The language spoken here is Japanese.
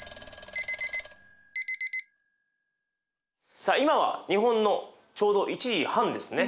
さあ今は日本のちょうど１時半ですね。